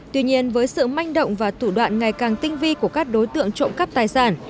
tuy nhiên với sự manh động và thủ đoạn ngày càng tinh vi của các đối tượng trộm cắp tài sản